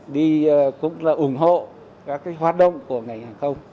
đi cũng là ủng hộ các cái hoạt động của ngành hàng không